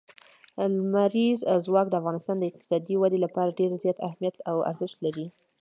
لمریز ځواک د افغانستان د اقتصادي ودې لپاره ډېر زیات اهمیت او ارزښت لري.